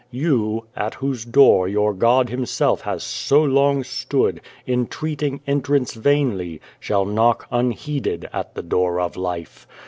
You at whose door your God Himself has so long stood, entreating entrance vainly shall knock, unheeded, at the Door of Life.